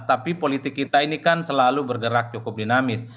tapi politik kita ini kan selalu bergerak cukup dinamis